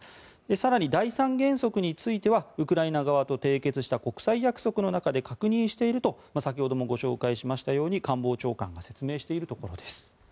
更に、第３原則についてはウクライナ側と締結した国際約束の中で確認していると先ほどもご紹介しましたように官房長官が説明しているところです。